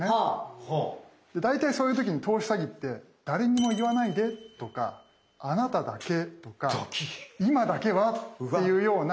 大体そういう時に投資詐欺って「誰にも言わないで」とか「あなただけ」とか「今だけは」というような要注意ワードを言うんですよ。